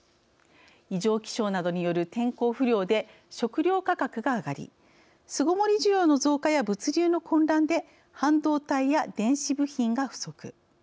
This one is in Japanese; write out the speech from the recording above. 異常気象などによる天候不良で食糧価格が上がり巣ごもり需要の増加や物流の混乱で半導体や電子部品が不足。